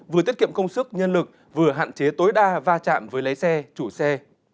vừa tiết kiệm công sức nhân lực vừa hạn chế tối đa va chạm với lái xe chủ xe